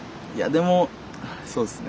でもあそうですね